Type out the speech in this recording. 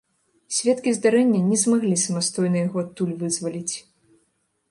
Сведкі здарэння не змаглі самастойна яго адтуль вызваліць.